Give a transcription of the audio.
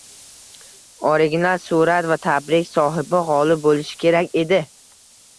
Original surat va tabrik sohibi gʻolib boʻlishi kerak edi.